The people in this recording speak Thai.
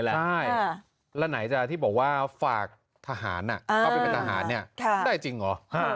แล้วไหนจะที่บอกว่าฝากทหารเข้าไปเป็นทหารเนี่ยได้จริงเหรอ